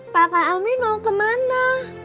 papa amin mau kemana